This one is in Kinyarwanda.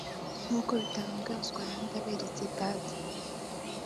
nk’uko bitangazwa na Ndaberetse Thadee